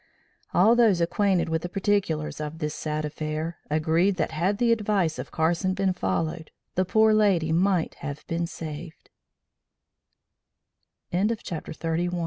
All those acquainted with the particulars of this sad affair agreed that had the advice of Carson been followed the poor lady might have been save